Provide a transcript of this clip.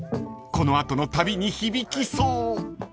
［この後の旅に響きそう］